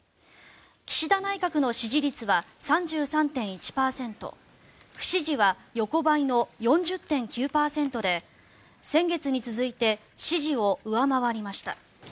岸田内閣の支持率は３３．１％不支持は横ばいの４０．９％で先月に続いて支持を上回りました。